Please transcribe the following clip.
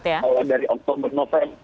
kalau dari oktober november